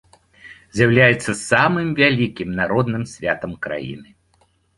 З'яўляецца самым вялікім народным святам краіны.